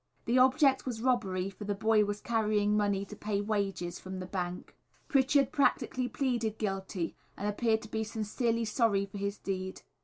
The object was robbery, for the boy was carrying money to pay wages, from the bank. Pritchard practically pleaded guilty, and appeared to be sincerely sorry for his deed.